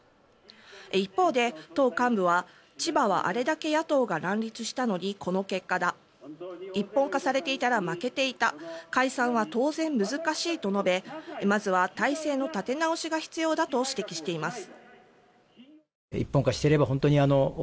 一方で、党幹部は千葉はあれだけ野党が乱立したのにこの結果だ一本化されていたら負けていた解散は当然、難しいと述べまずは体制の立て直しが必要だと指摘しています。